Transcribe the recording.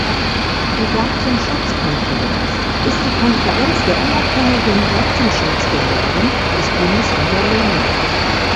Die Datenschutzkonferenz ist die Konferenz der unabhängigen Datenschutzbehörden des Bundes und der Länder.